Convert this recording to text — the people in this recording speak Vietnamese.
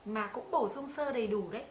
mà cũng bổ sung sơ đầy đủ đấy